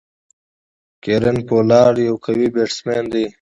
کیرن پولارډ یو قوي بيټسمېن دئ.